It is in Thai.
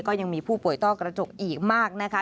ก็ยังมีผู้ป่วยต้อกระจกอีกมากนะคะ